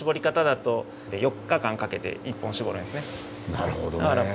なるほどね。